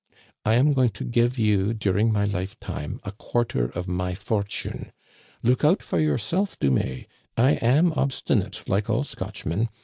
I am going to give you during my life time a quarter of my fortune. Look out for yourself, Dumais ! I am obsti nate, like all Scotchmen.